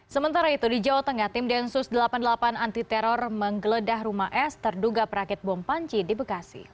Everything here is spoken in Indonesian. sementara itu di jawa tengah tim densus delapan puluh delapan anti teror menggeledah rumah s terduga perakit bom panci di bekasi